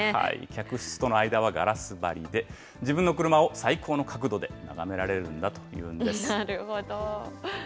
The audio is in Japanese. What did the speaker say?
客室との間はガラス張りで、自分の車を最高の角度で眺められるんだというんです。